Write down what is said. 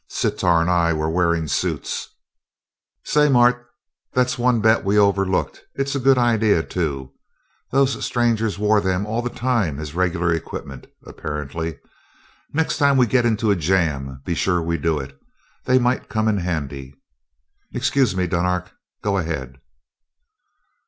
Sitar and I were wearing suits...." "Say, Mart, that's one bet we overlooked. It's a good idea, too those strangers wore them all the time as regular equipment, apparently. Next time we get into a jam, be sure we do it; they might come in handy. Excuse me, Dunark go ahead."